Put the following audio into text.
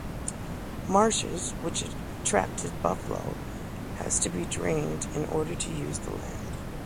Marshes which attracted buffalo had to be drained in order to use the land.